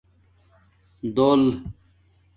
دُݸل